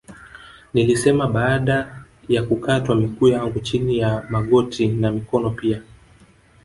Nilisema baada ya kukatwa miguu yangu chini ya magoti na mikono pia